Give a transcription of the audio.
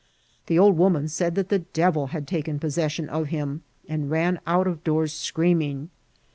The old woman said that the devil bad taken possession of him, and ran out of doors screaming.